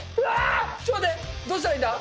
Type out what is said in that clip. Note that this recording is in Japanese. ちょっと待って、これ、どうしたらいいんだ。